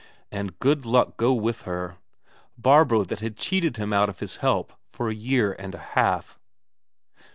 And good luck go with her Barbro that had cheated him out of his help for a year and a half!